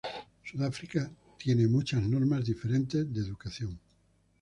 Sudáfrica tiene muchas normas diferentes de Educación.